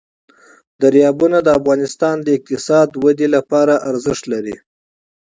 دریابونه د افغانستان د اقتصادي ودې لپاره ارزښت لري.